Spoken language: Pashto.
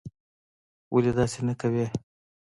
ولي داسې نه کوې?